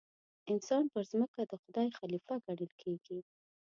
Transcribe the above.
انسان پر ځمکه د خدای خلیفه ګڼل کېږي.